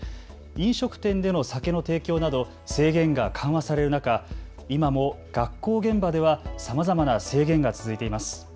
飲食店での酒の提供など制限が緩和される中、今も学校現場ではさまざまな制限が続いています。